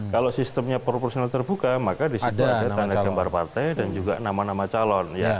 kalau sistemnya proporsional terbuka maka disitu ada tanda gambar partai dan juga nama nama calon